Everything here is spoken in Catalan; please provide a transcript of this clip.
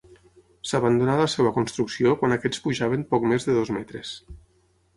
S'abandonà la seva construcció quan aquests pujaven poc més de dos metres.